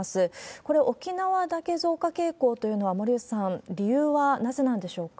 これ、沖縄だけ増加傾向というのは、森内さん、理由はなぜなんでしょうか？